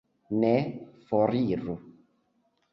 Ne foriru.